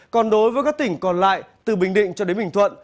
còn đối với các tỉnh còn lại từ bình định cho đến bình thuận